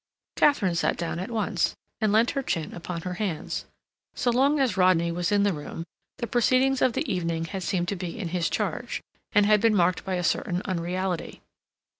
Katharine sat down at once, and leant her chin upon her hands. So long as Rodney was in the room the proceedings of the evening had seemed to be in his charge, and had been marked by a certain unreality.